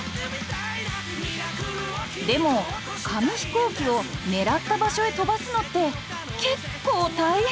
でも紙飛行機を狙った場所へ飛ばすのって結構大変！